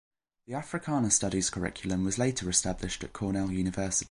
The Africana Studies curriculum was later established at Cornell University.